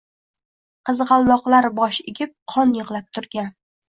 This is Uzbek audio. Qizg’aldoqlar bosh egib qon yig’lab turgan